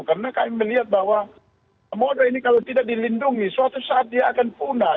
karena kami melihat bahwa modal ini kalau tidak dilindungi suatu saat dia akan punah